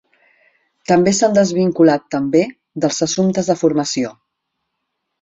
També s’han desvinculat també dels assumptes de formació.